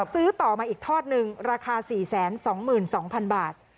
ซื้อต่อมาอีกทอดหนึ่งราคา๔๒๒๐๐๐บาท